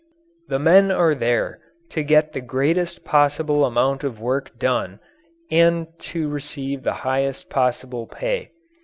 The men are there to get the greatest possible amount of work done and to receive the highest possible pay.